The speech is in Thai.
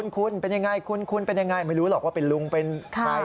คุณเป็นยังไงไม่รู้หรอกว่าเป็นลุงเป็นใคร